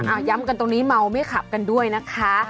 ย้ำกันตรงนี้เมาไม่ขับกันด้วยนะคะ